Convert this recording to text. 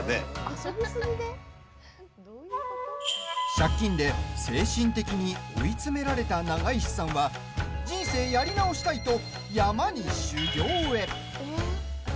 借金で、精神的に追い詰められた永石さんは人生やり直したいと山に修行へ。